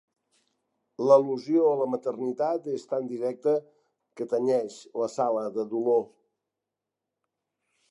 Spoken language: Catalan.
L'al·lusió a la maternitat és tan directa que tenyeix la sala de dolor.